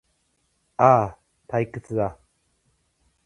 ああ、退屈だ